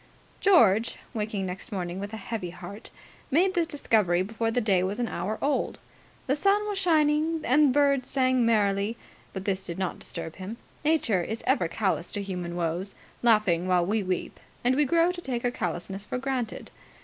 George, waking next morning with a heavy heart, made this discovery before the day was an hour old. The sun was shining, and birds sang merrily, but this did not disturb him. Nature is ever callous to human woes, laughing while we weep; and we grow to take her callousness for granted.